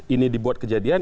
ini dibuat kejadian